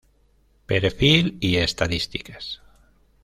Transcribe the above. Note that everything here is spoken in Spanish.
Perfil y estadísticas